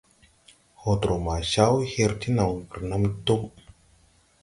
Hotrɔ ma caw her ti naw renam Tim.